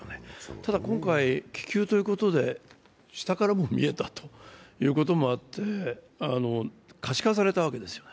ただ今回、気球ということで下からも見えたということもあって可視化されたわけですよね。